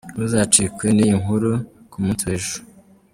Ntuzacikwe n’iyi nkuru ku munsi w’ejo.